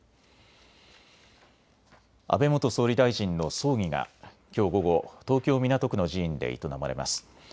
安倍元総理大臣の葬儀がきょう午後、東京港区の寺院で営まれます。